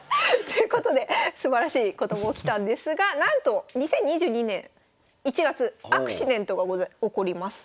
ということですばらしいことも起きたんですがなんと２０２２年１月アクシデントが起こります。